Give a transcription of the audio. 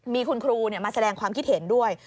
มีคุณครูมาแสดงความคิดเห็นด้วย